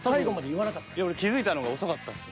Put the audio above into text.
いや俺気付いたのが遅かったんすよ。